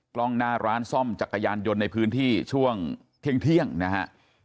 กล้องหน้าร้านซ่อมจักรยานยนต์ในพื้นที่ช่วงเที่ยงนะฮะ